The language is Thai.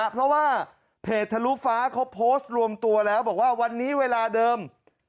เพราะว่าเพจทะลุฟ้าเขาโพสต์รวมตัวแล้วบอกว่าวันนี้เวลาเดิม